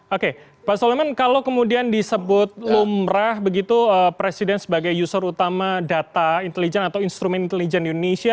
oke pak soleman kalau kemudian disebut lumrah begitu presiden sebagai user utama data intelijen atau instrumen intelijen di indonesia